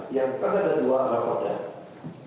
yang terkadang dua orang pedak